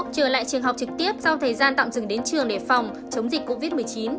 trở lại trường học trực tiếp sau thời gian tạm dừng đến trường để phòng chống dịch covid một mươi chín